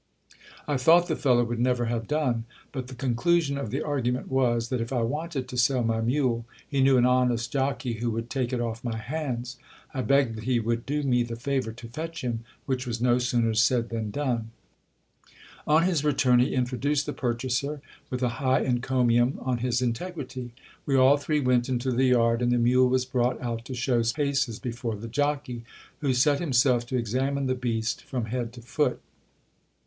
I thought the fellow would never have done. But the conclusion of the argu ment was, that if I wanted to sell my mule, he knew an honest jockey who would take it off my hands. I begged he would do me the favour to fetch him, which was no sooner said than done. GIL BLAS. On his return he introduced the purchaser, with a high encomium on his integrity. We all three went into the yard, and the mule was brought out to show paces before the jockey, who set himself to examine the beast from head to foot.